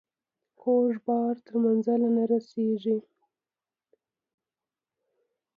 کوږ بار تر منزله نه رارسيږي.